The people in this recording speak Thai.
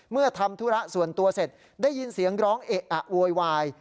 ทำธุระส่วนตัวเสร็จได้ยินเสียงร้องเอะอะโวยวาย